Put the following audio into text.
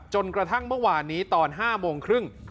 จนกระทั่งเมื่อวานนี้ตอน๕โมงครึ่ง